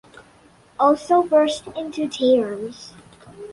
Also burst into tears.